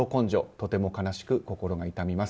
とても悲しく心が痛みます。